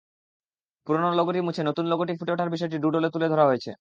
পুরোনো লোগোটি মুছে নতুন লোগোটি ফুটে ওঠার বিষয়টি ডুডলে তুলে ধরা হয়েছে।